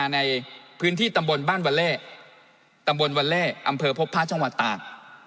ในพื้นที่ตำบลบ้านวัลเล่ตำบลวัลเล่อำเภอพบพระจังหวัดตาก